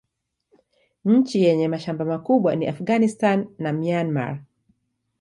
Nchi yenye mashamba makubwa ni Afghanistan na Myanmar.